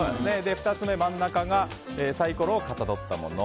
２つ目、真ん中がサイコロをかたどったもの。